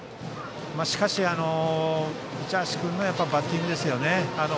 しかし、市橋君のバッティングですね。